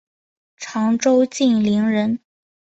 常州晋陵人。